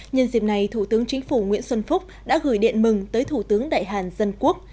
nhân dịp này thủ tướng chính phủ nguyễn xuân phúc đã gửi điện mừng tới thủ tướng đại hàn dân quốc